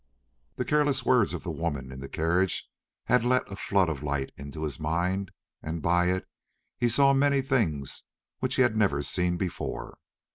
The careless words of the woman in the carriage had let a flood of light into his mind, and by it he saw many things which he had never seen before.